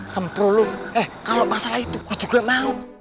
sempro lo eh kalau masalah itu gue juga mau